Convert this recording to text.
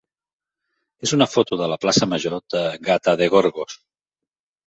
és una foto de la plaça major de Gata de Gorgos.